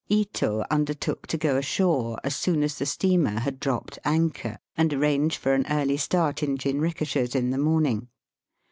Ito undertook to go ashore as soon as the steamer had dropped anchor, and arrange for an early start in jinrikishas in the morning.